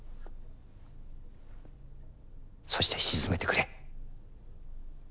そして鎮めてくれ。